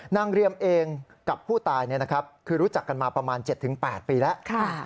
เรียมเองกับผู้ตายคือรู้จักกันมาประมาณ๗๘ปีแล้ว